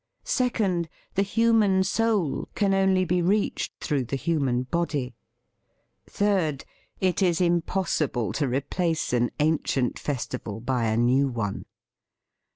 Second, the human soul can only be reached through the human body. Third, it is impossible to replace an an cient festival by a new one.